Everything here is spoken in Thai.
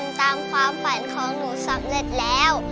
ตามความฝันของหนูสำเร็จแล้ว